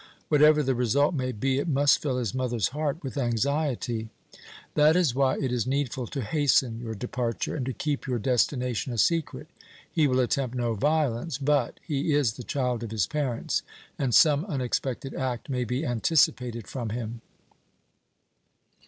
Whatever the result may be, it must fill his mother's heart with anxiety. That is why it is needful to hasten your departure, and to keep your destination a secret. He will attempt no violence; but he is the child of his parents and some unexpected act may be anticipated from him."